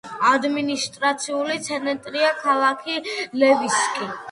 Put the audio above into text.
ადმინისტრაციული ცენტრია ქალაქი ლევსკი.